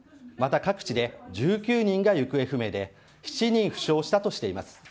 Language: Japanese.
また各地で１９人が行方不明で７人負傷したとしています。